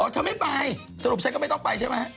เธอไม่ไปสรุปฉันก็ไม่ต้องไปใช่ไหม